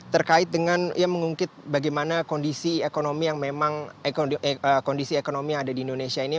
terkait dengan ya mengungkit bagaimana kondisi ekonomi yang memang kondisi ekonomi yang ada di indonesia ini